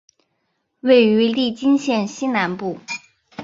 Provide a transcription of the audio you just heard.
位于利津县西南部。